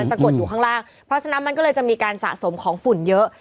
กดอยู่ข้างล่างเพราะฉะนั้นมันก็เลยจะมีการสะสมของฝุ่นเยอะ